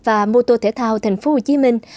và mô tô thể thao thành phố hồ chí minh